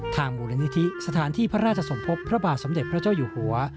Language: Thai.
มูลนิธิสถานที่พระราชสมภพพระบาทสมเด็จพระเจ้าอยู่หัว